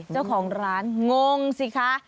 เจ้าของร้านงงสิคะ